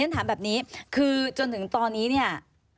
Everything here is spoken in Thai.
ถามแบบนี้คือจนถึงตอนนี้เนี่ย